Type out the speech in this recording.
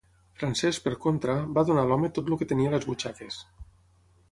Francesc, per contra, va donar a l'home tot el que tenia a les butxaques.